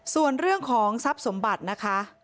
ส่วนเรื่องของทรัพย์สมบัตินะคะ